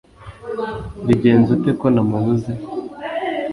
bigenze ute ko namubuze